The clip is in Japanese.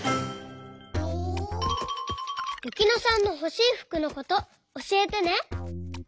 ゆきのさんのほしいふくのことおしえてね。